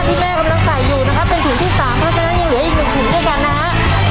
แม่กำลังใส่อยู่นะครับเป็นถุงที่๓เพราะฉะนั้นยังเหลืออีกหนึ่งถุงด้วยกันนะฮะ